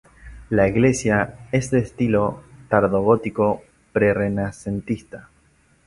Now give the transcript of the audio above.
La iglesia es de estilo tardogótico-prerenacentista.